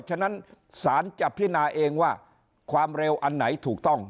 ฉะนั้นศาลจะพินาเองว่าความเร็วอันไหนถูกต้อง